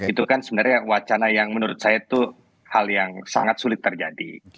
itu kan sebenarnya wacana yang menurut saya itu hal yang sangat sulit terjadi